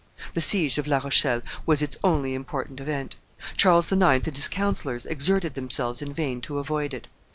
The siege of La Rochelle was its only important event. Charles IX. and his councillors exerted themselves in vain to avoid it.